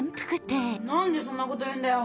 何でそんなこと言うんだよ？